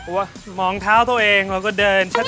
โหมองเท้าตัวเองแล้วก็เดินช้า